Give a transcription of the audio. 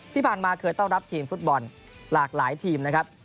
ที่ผ่านมาเคยต้องรับทีมฟุตบอลหลากหลายทีมนะครับ